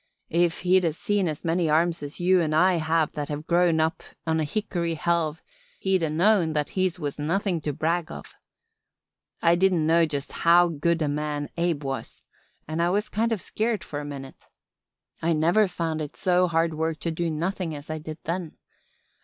If he'd a seen as many arms as you an' I have that have growed up on a hickory helve he'd a known that his was nothing to brag of. I didn't know just how good a man Abe was and I was kind o' scairt for a minute. I never found it so hard work to do nothin' as I did then.